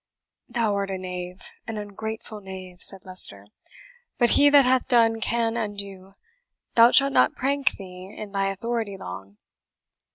"Thou art a knave an ungrateful knave," said Leicester; "but he that hath done can undo thou shalt not prank thee in thy authority long!"